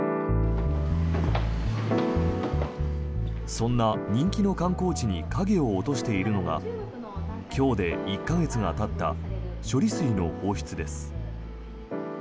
そんな人気の観光地に影を落としているのが今日で１か月がたった処理水の放出です。